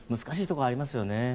難しいところがありますよね。